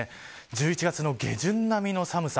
１１月の下旬並みの寒さ。